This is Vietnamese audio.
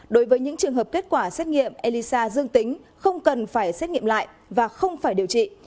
đối với những trường hợp kết quả xét nghiệm elisa dương tính không cần phải xét nghiệm lại và không phải điều trị